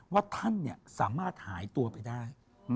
ว่าท่านสามารถหายตัวไปได้